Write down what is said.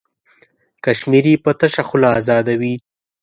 کشمیر یې په تشه خوله ازادوي.